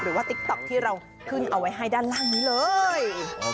หรือว่าติ๊กต๊อกที่เราพึ่งเอาไว้ให้ด้านล่างนี้เลย